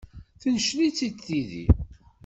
Tencel-itt-id tidi.